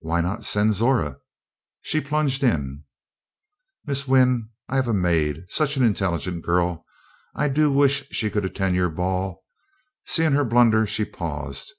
Why not send Zora? She plunged in: "Miss Wynn, I have a maid such an intelligent girl; I do wish she could attend your ball " seeing her blunder, she paused.